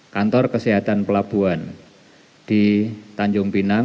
kantor kesehatan pelabuhan di tanjung pinang